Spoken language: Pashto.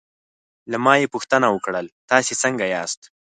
له ما یې پوښتنه وکړل: تاسې څنګه یاست؟